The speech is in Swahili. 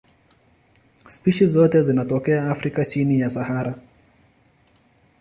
Spishi zote zinatokea Afrika chini ya Sahara.